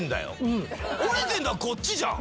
折れてんのはこっちじゃん。